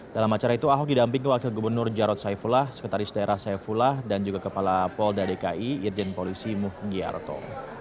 dalam acara itu ahok didamping kewakil gubernur jarod saifullah sekretaris daerah saifullah dan juga kepala pol dki yerjen polisi muh giarto